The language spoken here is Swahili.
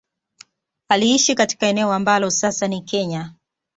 Aliishi katika eneo ambalo sasa ni Kenya